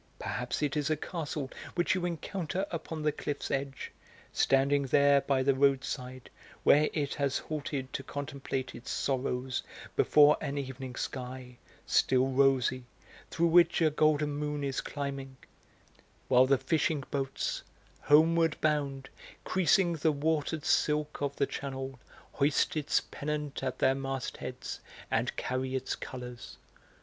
Perhaps it is a castle which you encounter upon the cliff's edge; standing there by the roadside, where it has halted to contemplate its sorrows before an evening sky, still rosy, through which a golden moon is climbing; while the fishing boats, homeward bound, creasing the watered silk of the Channel, hoist its pennant at their mastheads and carry its colours.